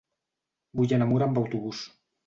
Vull anar a Mura amb autobús.